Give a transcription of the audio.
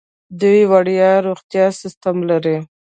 دوی وړیا روغتیايي سیستم لري.